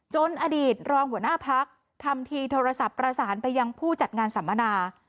อดีตรองหัวหน้าพักทำทีโทรศัพท์ประสานไปยังผู้จัดงานสัมมนา